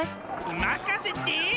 まかせて！